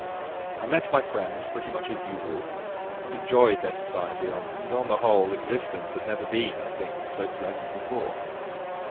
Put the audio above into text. I met my friends pretty much as usual and enjoyed their society, and, on the whole, existence had never been, I think, so pleasant before.